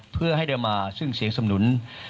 เพื่อให้ได้มาซึ่งเสียงสำนุน